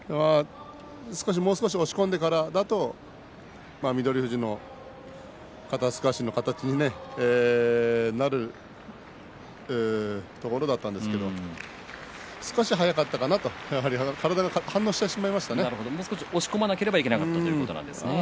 もう少し押し込んでからだと翠富士の肩すかしの形になるところだったんですけれど少し早かったかなとやっぱり体がもう少し押し込まなければいけなかったですね。